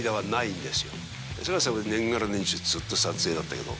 堺さんは年がら年中ずっと撮影だったけど。